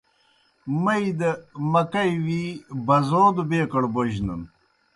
مئی دہ مکئی وِیی بزودوْ بیکَڑ بوجنَن۔